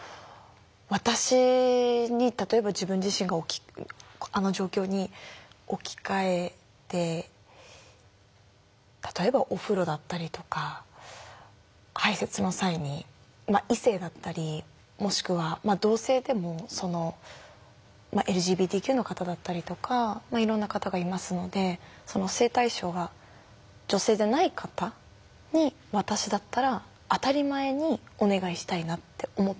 私に例えば自分自身があの状況に置き換えて例えばお風呂だったりとか排せつの際に異性だったりもしくは同性でもＬＧＢＴＱの方だったりとかいろんな方がいますので性対象が女性じゃない方に私だったら当たり前にお願いしたいなって思いましたね。